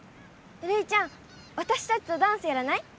レイちゃんわたしたちとダンスやらない？